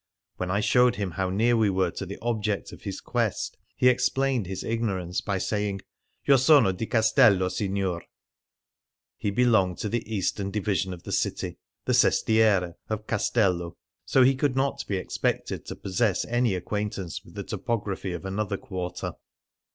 When I showed him how near we were to the object of his quest, he explained his ignorance by say ing, "lo sono di Castello, signor'' — he belonged to the eastern division of the city, the Sestiere of Castello, so he could not be expected to pos sess any acquaintance with the topography of another quarter